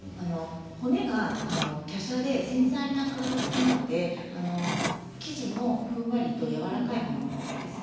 骨が、きゃしゃで繊細な体つきなので生地もふんわりとやわらかいものがいいですね。